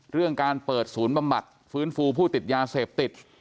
เรื่องการเปิดศูนย์บำบัดฟื้นฟูผู้ติดยาเสพติด